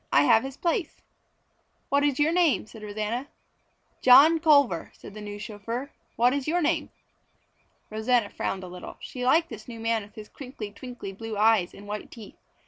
"I have his place." "What is your name?" said Rosanna. "John Culver," said the new chauffeur. "What is your name?" Rosanna frowned a little. She liked this new man with his crinkly, twinkly blue eyes and white teeth.